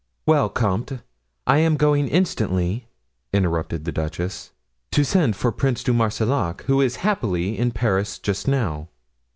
"Well, comte, I am going instantly," interrupted the duchess, "to send for the Prince de Marsillac, who is happily, in Paris just now.